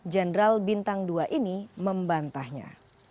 jenderal bintang dua ini membantahnya